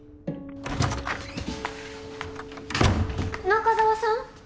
中澤さん？